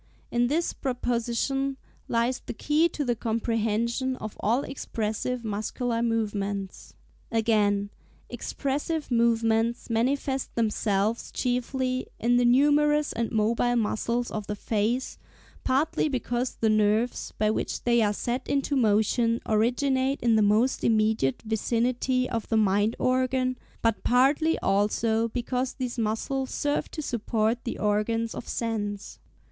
In this proposition lies the key to the comprehension of all expressive muscular movements." (s. 25) Again, "Expressive movements manifest themselves chiefly in the numerous and mobile muscles of the face, partly because the nerves by which they are set into motion originate in the most immediate vicinity of the mind organ, but partly also because these muscles serve to support the organs of sense."